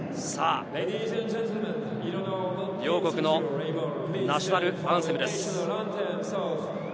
両国のナショナルアンセムです。